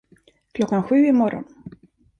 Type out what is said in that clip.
Klockan sju i morgon.